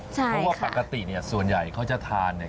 เพราะว่าปกติเนี่ยส่วนใหญ่เขาจะทานเนี่ย